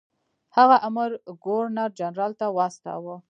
هغه امر ګورنر جنرال ته واستاوه.